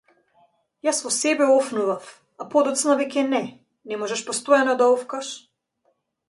Јас во себе офнував, а подоцна веќе не, не можеш постојано да офкаш.